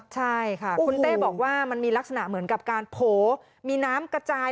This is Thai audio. ใช่ค่ะคุณเต้บอกว่ามันมีลักษณะเหมือนกับการโผล่มีน้ำกระจาย